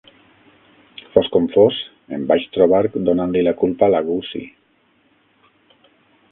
Fos com fos, em vaig trobar donant-li la culpa a la Gussie.